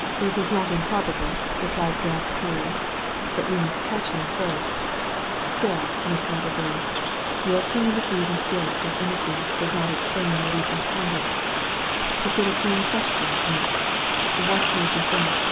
" It is not improbable," replied Gebb, coolly ;but we must catch him first Still, Miss Wedderburn, your opinion of Dean's guilt or Innocence does not explain your recent conduct. To put a plain question, miss, * What made you faint